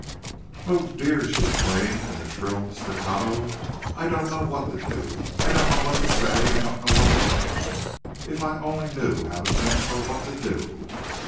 "Oh, dear!" she exclaimed in a shrill staccato, "I don't know what to do! I don't know what to say! I don't know what to think! If I only knew how to think or what to do!"